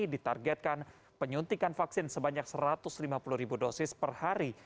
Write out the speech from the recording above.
ditargetkan penyuntikan vaksin sebanyak satu ratus lima puluh ribu dosis per hari